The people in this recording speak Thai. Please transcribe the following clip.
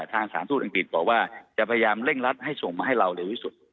ทางสถานทูตอังกฤษบอกว่าจะพยายามเร่งรัดให้ส่งมาให้เราเร็วที่สุด